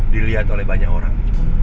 dilihat oleh banyak orang